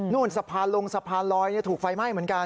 สะพานลงสะพานลอยถูกไฟไหม้เหมือนกัน